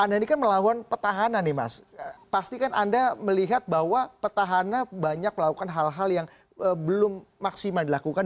anda ini kan melawan petahana nih mas pastikan anda melihat bahwa petahana banyak melakukan hal hal yang belum maksimal dilakukan